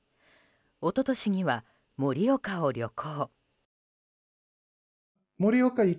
一昨年には盛岡を旅行。